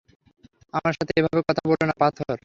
আমার সাথে এভাবে কথা বলো না, পাথর।